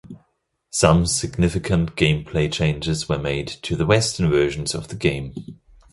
Some significant gameplay changes were made to the Western versions of the game.